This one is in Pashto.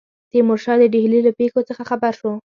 تیمورشاه د ډهلي له پیښو څخه خبر شو.